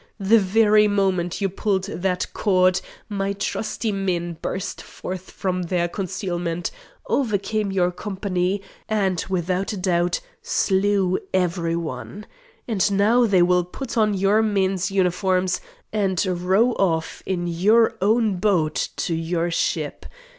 The very moment you pulled that cord, my trusty men burst forth from their concealment, overcame your company, and, without a doubt, slew every one. And now they will put on your men's uniforms, and row off in your own boat to your ship.